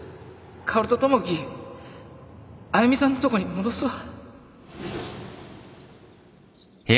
薫と友樹あゆみさんのとこに戻すわ